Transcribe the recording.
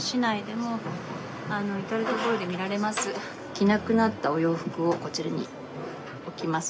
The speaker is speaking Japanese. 着なくなったお洋服をこちらに置きます。